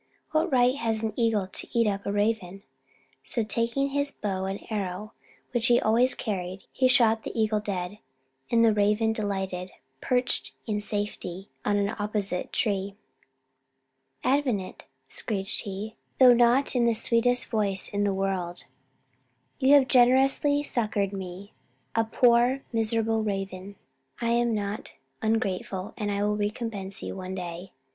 What right has an eagle to eat up a raven?" So taking his bow and arrow, which he always carried, he shot the eagle dead, and the raven, delighted, perched in safety on an opposite tree. "Avenant," screeched he, though not in the sweetest voice in the world; "you have generously succoured me, a poor miserable raven. I am not ungrateful, and I will recompense you one day.